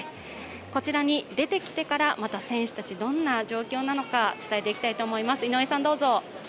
こちらに出てきてから、また選手たち、どんな状況なのか伝えていきたいと思います。